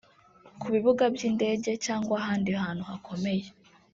Ku bibuga by’indege cyangwa ahandi hantu hakomeye